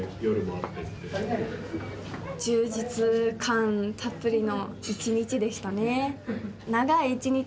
充実感たっぷりの一日でしたね。